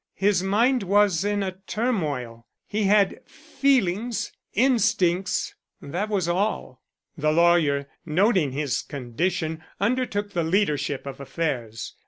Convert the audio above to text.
His mind was in a turmoil. He had feelings instincts; that was all. The lawyer, noting his condition, undertook the leadership of affairs.